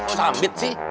kok sambit sih